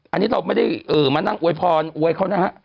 อันนี้เราไม่ได้มานั่งอวยพรอวยเขานะฮะ